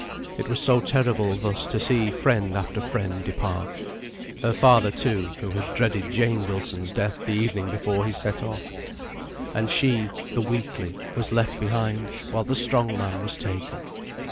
It was so terrible thus to see friend after friend depart. Her father, too, who had dreaded Jane Wilson's death the evening before he set off. And she, the weakly, was left behind while the strong man was taken.